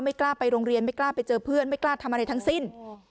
กล้าไปโรงเรียนไม่กล้าไปเจอเพื่อนไม่กล้าทำอะไรทั้งสิ้น